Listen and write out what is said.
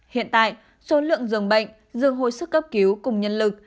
hiện tại số lượng dường bệnh dường hồi sức cấp cứu cùng nhân lực